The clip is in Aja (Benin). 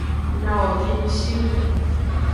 Nawo kinyishinu.